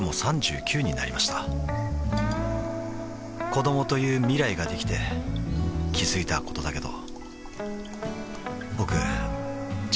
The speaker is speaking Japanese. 子どもという未来ができて気づいたことだけど